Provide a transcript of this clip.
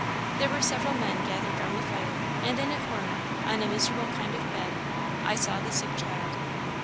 There were several men gathered round the fire, and in a corner, on a miserable kind of bed, I saw the sick child.